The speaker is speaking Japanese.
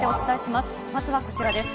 まずはこちらです。